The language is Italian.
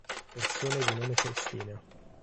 Persone di nome Cristina